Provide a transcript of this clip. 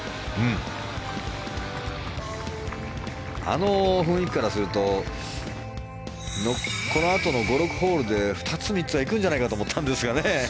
あの雰囲気からするとこのあとの５６ホールで２つ３つ行くんじゃないかと思ったんですけどね。